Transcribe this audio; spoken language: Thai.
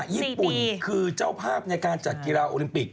ญี่ปุ่นคือเจ้าภาพในการจัดกีฬาโอลิมปิก